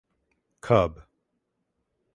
Cub.